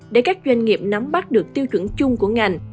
để các doanh nghiệp nắm bắt được tiêu chuẩn chung của ngành